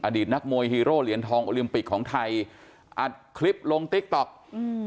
ตนักมวยฮีโร่เหรียญทองโอลิมปิกของไทยอัดคลิปลงติ๊กต๊อกอืม